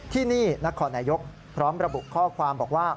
ที่นี่นครนายกพร้อมระบุข้อความบอกว่า